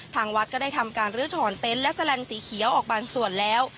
ทางวัดก็ได้ทำการลื้อถอนเต็นต์และแลนสีเขียวออกบางส่วนแล้ว